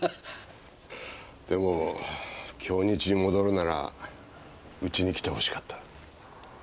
でも京日に戻るならうちに来てほしかった。